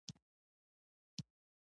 د افغانستان سیندونه ګاونډیو ته ځي